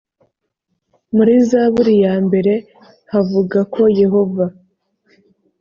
muri zaburi ya mbere havuga ko yehova